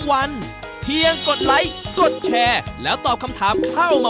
สวัสดีครับ